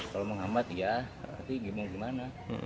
kalau mau kembat ya tapi gimana gimana